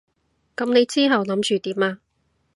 噉你之後諗住點啊？